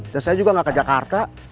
dan saya juga gak ke jakarta